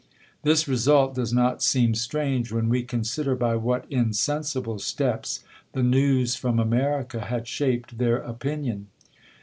This result does not seem strange when we consider by what insensible steps the news from America had shaped their opinion.